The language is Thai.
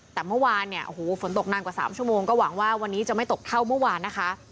แต่เมื่อวานเนี่ยโอ้โหฝนตกนานกว่า๓ชั่วโมงก็หวังว่าวันนี้จะไม่ตกเท่าเมื่อวานนะคะ